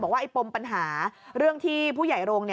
ไอ้ปมปัญหาเรื่องที่ผู้ใหญ่โรง